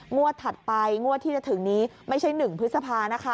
ถัดไปงวดที่จะถึงนี้ไม่ใช่๑พฤษภานะคะ